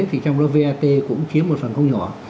thì trong đó vat cũng chiếm một phần không nhỏ